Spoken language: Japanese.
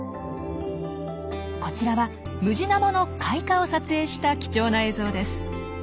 こちらはムジナモの開花を撮影した貴重な映像です。